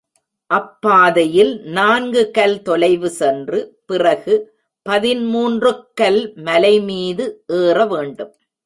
அப்பாதையில் நான்கு கல் தொலைவு சென்று பிறகு பதிமூன்று க்கல் மலைமீது ஏற வேண்டும்.